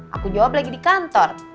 aku jawab lagi di kantor